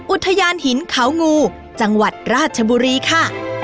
อุทยานหินเขางูจังหวัดราชบุรีค่ะ